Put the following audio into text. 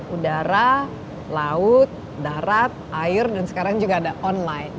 udara laut darat air dan sekarang juga ada online